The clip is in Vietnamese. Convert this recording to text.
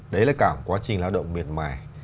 đấy là cả một quá trình lao động miệt mài